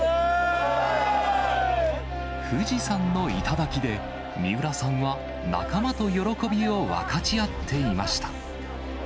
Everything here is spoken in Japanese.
富士山の頂で、三浦さんは仲間と喜びを分かち合っていました。